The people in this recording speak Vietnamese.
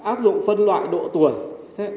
áp dụng phân loại độ tuổi